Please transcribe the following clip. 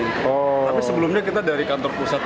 tapi sebelumnya kita dari kantor pusat